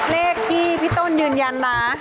เลขที่พี่ต้นยืนยันนะ